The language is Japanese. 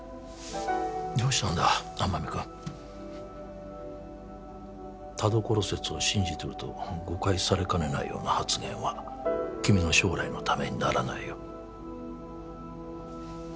どうしたんだ天海君田所説を信じてると誤解されかねないような発言は君の将来のためにならないよ